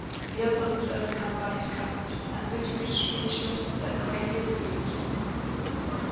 Leopold was overcome by his kindness, and withdrew speechless, but greatly relieved.